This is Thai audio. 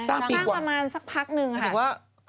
สร้างประมาณสักพักหนึ่งค่ะ